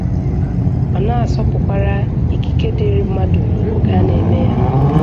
ma na-asọpụkwara ikike dịịrị mmadụ oge a na-eme ya.